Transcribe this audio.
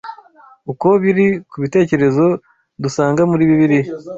uko biri ku bitekerezo dusanga muri Bibiliya?